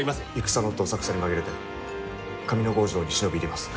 戦のどさくさに紛れて上ノ郷城に忍び入ります。